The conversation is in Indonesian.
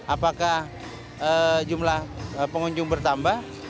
apakah jumlah pengunjung bertambah